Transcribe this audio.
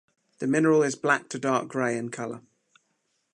The mineral is black to dark grey in colour.